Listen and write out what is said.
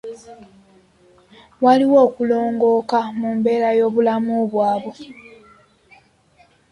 Waliwo okulongooka mu mbeera y'obulamu bwabwe.